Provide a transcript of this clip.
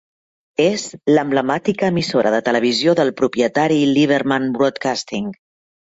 És l'emblemàtica emissora de televisió del propietari Liberman Broadcasting.